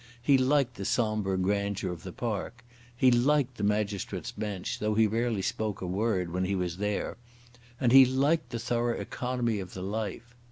He liked the sombre grandeur of the park. He liked the magistrates' bench, though he rarely spoke a word when he was there. And he liked the thorough economy of the life.